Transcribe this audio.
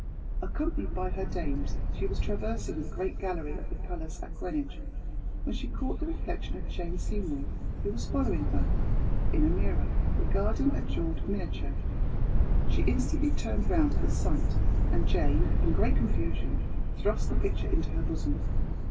Accompanied by her dames, she was traversing the great gallery of the palace at Greenwich, when she caught the reflection of Jane Seymour, who was following her, in a mirror, regarding a jewelled miniature. She instantly turned round at the sight, and Jane, in great confusion, thrust the picture into her bosom.